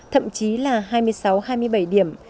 thậm chí là hai mươi sáu hai mươi bảy điểm